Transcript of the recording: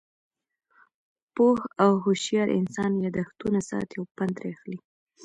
پوه او هوشیار انسان، یاداښتونه ساتي او پند ترې اخلي.